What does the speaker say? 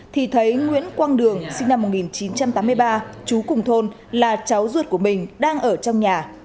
thì thấy nguyễn quang đường sinh năm một nghìn chín trăm tám mươi ba chú cùng thôn là cháu ruột của mình đang ở trong nhà